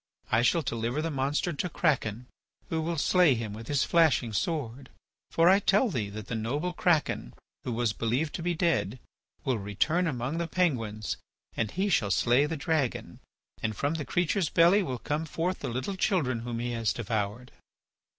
I shall deliver the monster to Kraken, who will stay him with his flashing sword. For I tell thee that the noble Kraken, who was believed to be dead, will return among the Penguins and he shall slay the dragon. And from the creature's belly will come forth the little children whom he has devoured."